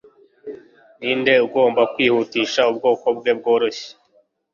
ninde ugomba kwihutisha ubwoko bwe bworoshye